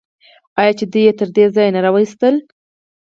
آیا چې دوی یې تر دې ځایه نه راوستل؟